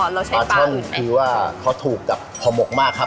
ปลาช่อนคือว่าเขาถูกกับห่อหมกมากครับ